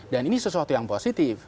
dan ini sesuatu yang positif